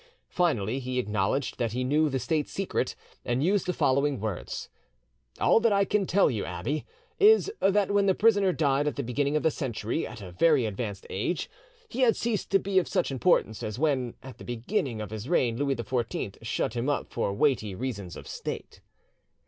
Finally he acknowledged that he knew the state secret, and used the following words: "All that I can tell you, abbe, is, that when the prisoner died at the beginning of the century, at a very advanced age, he had ceased to be of such importance as when, at the beginning of his reign, Louis XIV shut him up for weighty reasons of state."